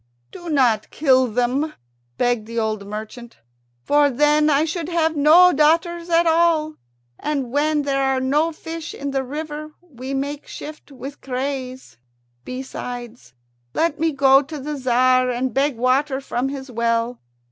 "Do not kill them," begged the old merchant, "for then I should have no daughters at all, and when there are no fish in the river we make shift with crays. Besides, let me go to the Tzar and beg water from his well.